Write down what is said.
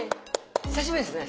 久しぶりですね。